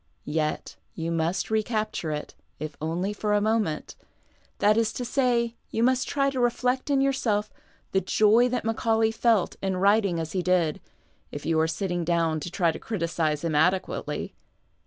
Yet you must recapture it, if only for a moment ; that is to say, you must try to reflect in yourself the joy that Maeaulay felt in ^vrit ing as he did, if you are sitting down to try to criticize hira adequately.